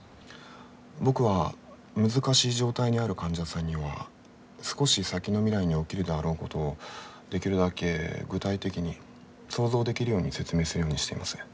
僕は難しい状態にある患者さんには少し先の未来に起きるであろうことをできるだけ具体的に想像できるように説明するようにしています。